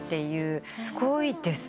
すごいですね。